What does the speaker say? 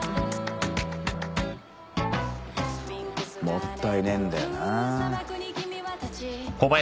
もったいねえんだよなぁ。